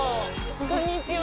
こんにちは。